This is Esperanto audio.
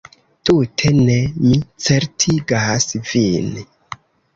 Tute ne, mi certigas vin!